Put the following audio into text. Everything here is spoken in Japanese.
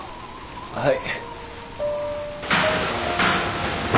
はい。